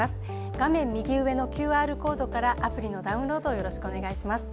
画面右上のＱＲコードからアプリのダウンロードをよろしくお願いします